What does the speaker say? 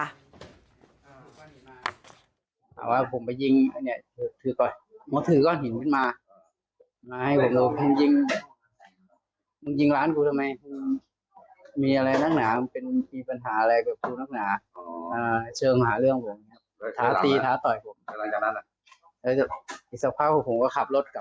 แต่ว่าก็ยิงปืนกี่นาทียิงปืนแหละ